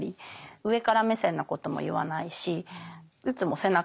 上から目線なことも言わないしいつも背中を押してあげる。